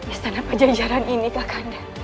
istana pajajaran ini kakak anda